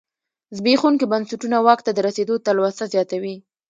زبېښونکي بنسټونه واک ته د رسېدو تلوسه زیاتوي.